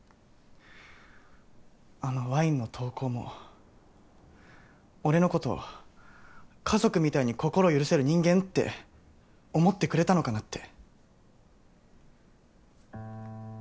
あのワインの投稿も俺のこと家族みたいに心許せる人間って思ってくれたのかなって。